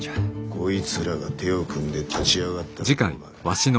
こいつらが手を組んで立ち上がったらどうなる？